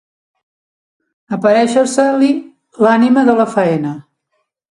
Aparèixer-se-li l'ànima de la «faena».